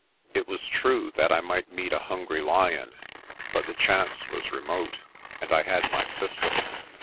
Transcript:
It was true that I might meet a hungry lion but the chance was remote, and I had my pistol.